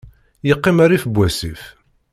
Yeqqim rrif n wasif.